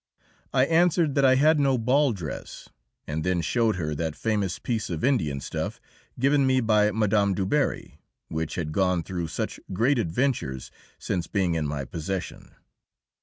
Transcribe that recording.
I answered that I had no ball dress, and then showed her that famous piece of Indian stuff given me by Mme. Du Barry, which had gone through such great adventures since being in my possession.